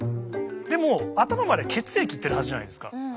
でも頭まで血液行ってるはずじゃないですか。